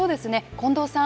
近藤さん。